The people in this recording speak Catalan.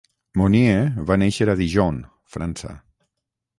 Meunier va néixer a Dijon, França.